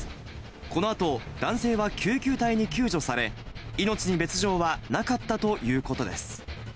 このあと、男性は救急隊に救助され、命に別状はなかったということです。